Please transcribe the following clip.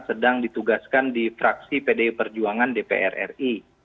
sedang ditugaskan di fraksi pdi perjuangan dpr ri